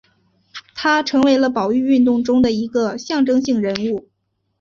他成为了保育运动中的一个象征性人物。